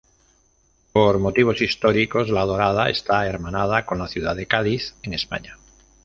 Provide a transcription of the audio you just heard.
Por motivos históricos, La Dorada está hermanada con la ciudad de Cádiz, en España.